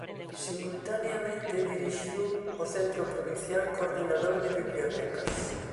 Simultaneamente dirixiu o Centro provincial coordinador de Bibliotecas.